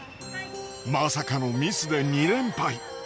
まさかのミスで２連敗。